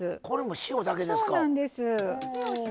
これも塩だけですか。